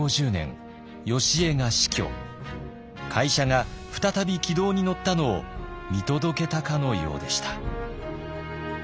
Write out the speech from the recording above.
会社が再び軌道に乗ったのを見届けたかのようでした。